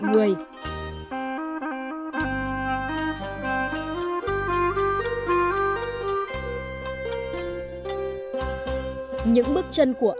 những bước chân của ông là những bước chân của ông